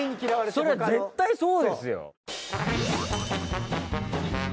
そりゃ絶対そうですよ。